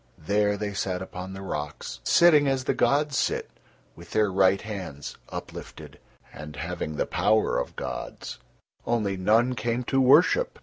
There they sat upon the rocks, sitting as the gods sit, with their right hands uplifted, and having the power of gods, only none came to worship.